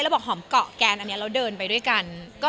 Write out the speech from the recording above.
แล้วบอกหอมเกาะแกนอันนี้แล้วเดินไปด้วยกัน